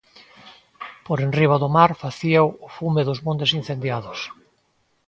Por enriba do mar facíao o fume dos montes incendiados.